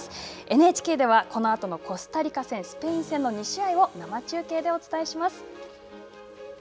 ＮＨＫではこのあとのコスタリカ戦スペイン戦の２試合を生中継でお伝えします。